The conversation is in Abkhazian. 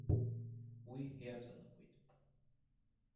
Уи иаҵанакуеит.